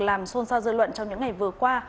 làm xôn xao dư luận trong những ngày vừa qua